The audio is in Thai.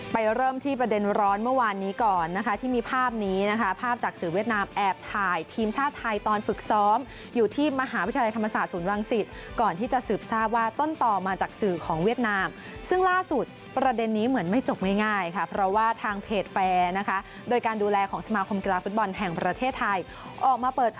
เริ่มที่ประเด็นร้อนเมื่อวานนี้ก่อนนะคะที่มีภาพนี้นะคะภาพจากสื่อเวียดนามแอบถ่ายทีมชาติไทยตอนฝึกซ้อมอยู่ที่มหาวิทยาลัยธรรมศาสตร์ศูนย์รังสิตก่อนที่จะสืบทราบว่าต้นต่อมาจากสื่อของเวียดนามซึ่งล่าสุดประเด็นนี้เหมือนไม่จบง่ายค่ะเพราะว่าทางเพจแฟร์นะคะโดยการดูแลของสมาคมกีฬาฟุตบอลแห่งประเทศไทยออกมาเปิด